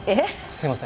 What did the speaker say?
すいません。